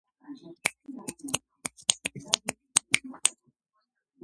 გემმა წონასწორობა ვეღარ აღიდგინა, წყლით დამძიმდა და ფსკერისკენ დაეშვა.